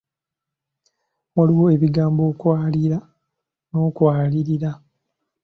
Waliwo ebigambo okwaliira n'okwalirira.